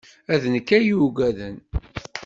D nekk ay yugaden.